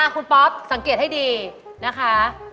คุณป๊อปสังเกตให้ดีนะคะ